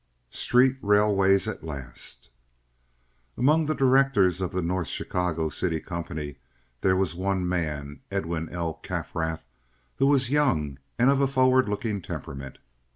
Street railways at Last Among the directors of the North Chicago City company there was one man, Edwin L. Kaffrath, who was young and of a forward looking temperament.